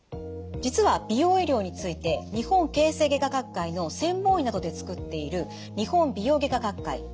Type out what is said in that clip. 実は美容医療について日本形成外科学会の専門医などで作っている日本美容外科学会